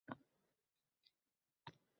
Ota-onalaringiz majburlashganmi